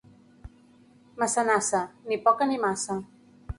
Massanassa, ni poca, ni massa.